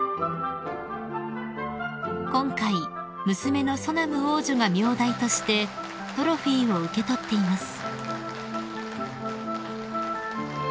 ［今回娘のソナム王女が名代としてトロフィーを受け取っています］